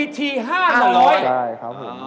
ใช่ครับผม